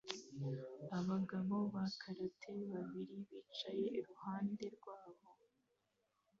Abagabo ba karate babiri bicaye iruhande rwabo